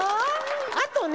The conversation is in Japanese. あとね